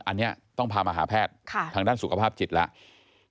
อันนี้ต้องพามาหาแพทย์ทางด้านสุขภาพจิตแล้ว